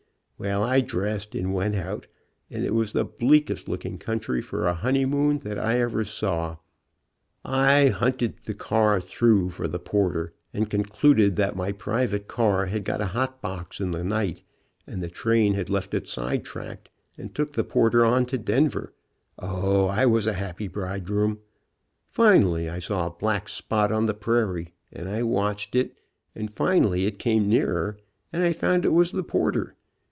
Well, I dressed and went out, and it was the bleakest look ing country for a honeymoon that I ever saw. I haol hunted the car through for the porter, and concluded that my private car had got a hot box in the night, and the train had left it sidetracked and took the por ter on to Denver. O, I was a happy bride groom ! Finally I saw a black spot on the prairie, and I watched it, and finally it came nearer, and I found it was the porter.